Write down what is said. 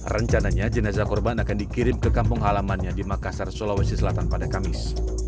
rencananya jenazah korban akan dikirim ke kampung halamannya di makassar sulawesi selatan pada kamis